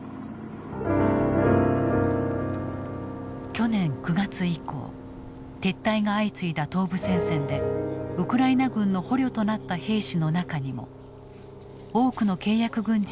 去年９月以降撤退が相次いだ東部戦線でウクライナ軍の捕虜となった兵士の中にも多くの契約軍人が含まれていた。